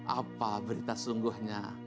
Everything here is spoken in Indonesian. apa berita sungguhnya